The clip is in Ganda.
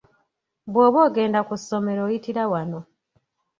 Bw'oba ogenda ku ssomero oyitira wano.